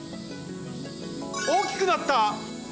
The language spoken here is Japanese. おおきくなった！